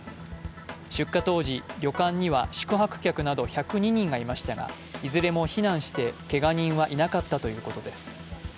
出火当時、旅館には宿泊客など１０２人がいましたが、いずれも避難して、けが人はいなかったということです。